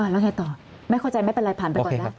แล้วไงต่อไม่เข้าใจไม่เป็นไรผ่านไปก่อนนะ